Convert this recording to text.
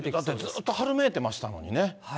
ずっと春めいてましたのにね。